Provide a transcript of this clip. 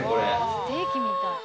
ステーキみたい。